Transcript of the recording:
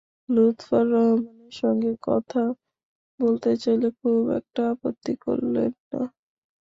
লুৎফর রহমানের সঙ্গে কথা বলতে চাইলে খুব একটা আপত্তি করলেন না।